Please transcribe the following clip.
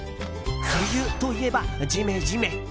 梅雨といえば、ジメジメ。